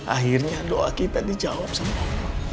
akhirnya doa kita dijawab sama allah